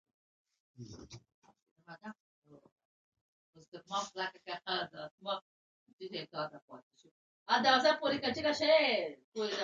ډير نعمتونه ورکړي وو، ديارلس انبياء عليهم السلام ئي